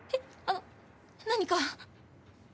あの何か？